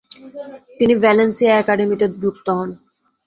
তিনি ভ্যালেন্সিয়া একাডেমীতে যুক্ত হন।